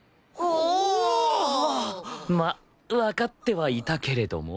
まっわかってはいたけれども？